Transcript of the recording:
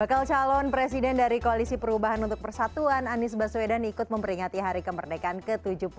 bakal calon presiden dari koalisi perubahan untuk persatuan anies baswedan ikut memperingati hari kemerdekaan ke tujuh puluh dua